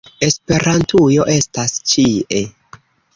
- Esperantujo estas ĉie!